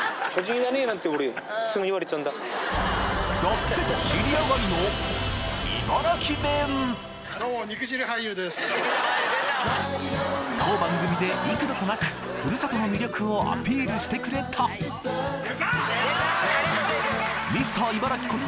っぺと尻上がりの当番組で幾度となくふるさとの魅力をアピールしてくれたミスター茨城こと